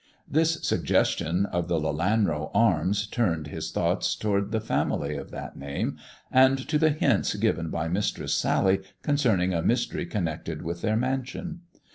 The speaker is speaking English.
This suggestion of the "Lelanro Arms" turned his thoughts towards the family of that name, and to the hints given by Mistress Sally concerning a mystery connected with their mansion.